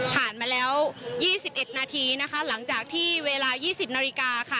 ผ่านมาแล้ว๒๑นาทีหลังจากที่เวลา๒๐นาฬิกา